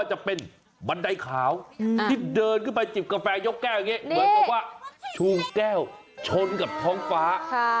จะออกไปแตะขอบฟ้า